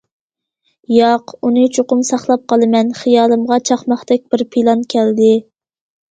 « ياق، ئۇنى چوقۇم ساقلاپ قالىمەن» خىيالىمغا چاقماقتەك بىر پىلان كەلدى.